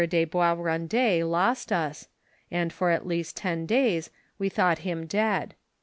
'*=■ Boisrondet lost us, and for at least ton days, we thought him dead.